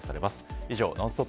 以上ノンストップ！